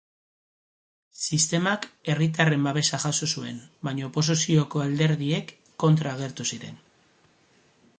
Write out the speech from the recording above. Sistemak herritarren babesa jaso zuen baina oposizioko alderdiak kontra agertu ziren.